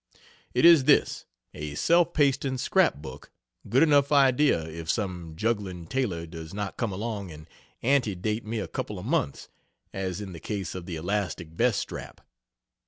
It is this a self pasting scrap book good enough idea if some juggling tailor does not come along and ante date me a couple of months, as in the case of the elastic veststrap.